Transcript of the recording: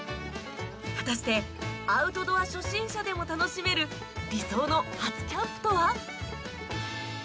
果たしてアウトドア初心者でも楽しめる理想の初キャンプとは？